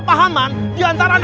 pasti may udah bocorin